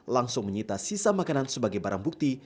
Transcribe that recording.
langsung menyita sisa makanan sebagai barang bukti